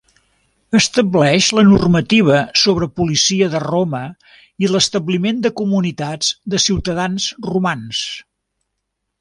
Estableix la normativa sobre policia de Roma i l'establiment de comunitats de ciutadans romans.